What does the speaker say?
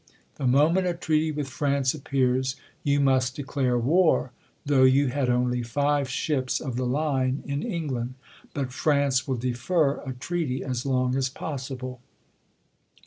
The moment a treaty with France appears, you must declare war, though you had only five ships of the line in England : but France will defer a treaty as long as possible.